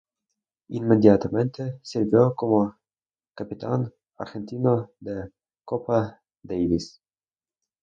Inmediatamente sirvió como capitán argentino de Copa Davis.